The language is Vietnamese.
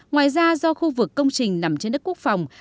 ngoài ra do khu vực công trình nằm trên đất quốc phòng